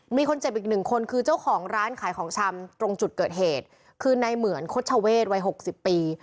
มีคนเจ็บอีกหนึ่งคนคือเจ้าของร้านขายของชำตรงจุดเกิดเหตุคือในเหมือนคดชเวศวัย๖๐ปี